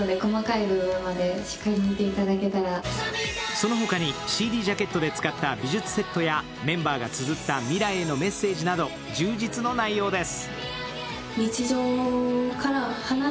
そのほかにＣＤジャケットで使った美術セットやメンバーがつづった未来へのメッセージなど充実の内容です。